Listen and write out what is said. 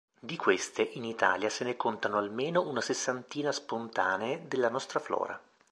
Di queste in Italia se ne contano almeno una sessantina spontanee della nostra flora.